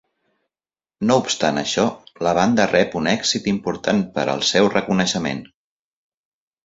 No obstant això, la banda rep un èxit important per al seu reconeixement.